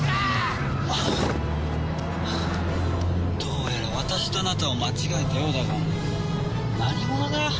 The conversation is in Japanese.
どうやら私とあなたを間違えたようだが何者だ？